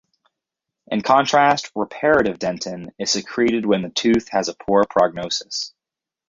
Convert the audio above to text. In contrast, reparative dentin is secreted when the tooth has a poor prognosis.